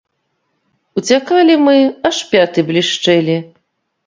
Уцякалі мы, аж пяты блішчэлі.